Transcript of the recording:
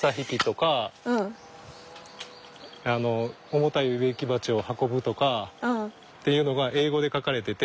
重たい植木鉢を運ぶとかっていうのが英語で書かれてて。